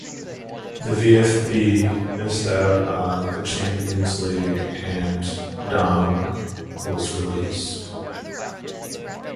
The VfB missed out on the Champions League and Daum was released.